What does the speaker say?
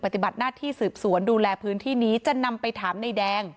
ปฏิบัติหน้าที่สืบสวนดูแลพื้นที่นี้จะนำไปถามนายแดง